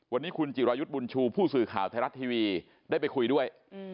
วันนี้คุณจิรายุทธ์บุญชูผู้สื่อข่าวไทยรัฐทีวีได้ไปคุยด้วย